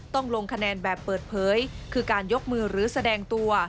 ลงคะแนนแบบเปิดเผยคือการยกมือหรือแสดงตัว